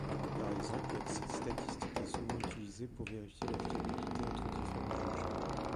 Par exemple, cette statistique est souvent utilisée pour vérifier la fiabilité entre différents juges.